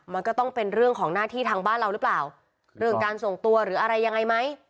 มันก็ต้องเป็นเรื่องของหน้าที่ทางบ้านเราหรือเปล่าเรื่องการส่งตัวหรืออะไรยังไงไหม